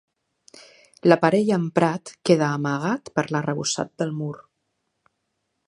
L'aparell emprat queda amagat per l'arrebossat del mur.